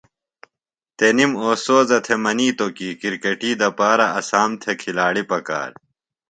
تنِم اوستوذہ تھےۡ منِیتوۡ کی کرکٹی دپارہ اسام تھےۡ کِھلاڑی پکار۔